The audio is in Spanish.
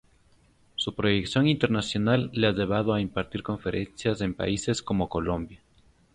Su proyección internacional le ha llevado a impartir conferencias en países como Colombia.